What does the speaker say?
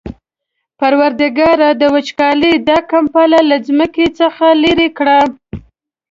پروردګاره د وچکالۍ دا کمپله له دې ځمکې لېرې کړه.